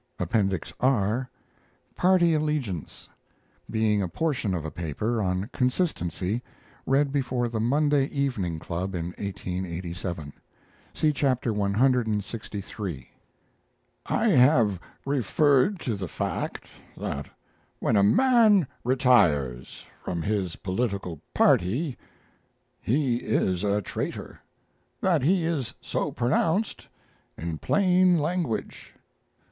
APPENDIX R PARTY ALLEGIANCE. BEING A PORTION OF A PAPER ON "CONSISTENCY," READ BEFORE THE MONDAY EVENING CLUB IN 1887. (See Chapter clxiii) ... I have referred to the fact that when a man retires from his political party he is a traitor that he is so pronounced in plain language.